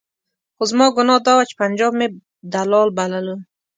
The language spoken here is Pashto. خو زما ګناه دا وه چې پنجاب مې دلال بللو.